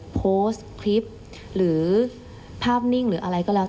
โพสต์คลิปหรือภาพนิ่งหรืออะไรก็แล้ว